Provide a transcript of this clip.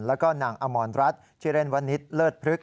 แล้วก็นางอมรรดิชิเรนวันนิสเลิศพฤกษ์